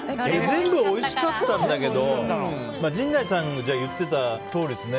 全部おいしかったんだけど陣内さんが言ってたとおりですね。